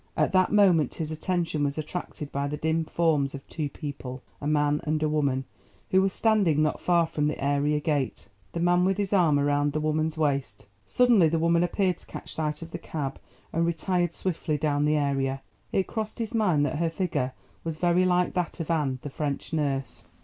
At that moment his attention was attracted by the dim forms of two people, a man and a woman, who were standing not far from the area gate, the man with his arm round the woman's waist. Suddenly the woman appeared to catch sight of the cab and retired swiftly down the area. It crossed his mind that her figure was very like that of Anne, the French nurse.